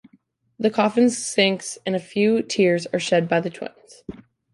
The coffin sinks and a few tears are shed by the twins.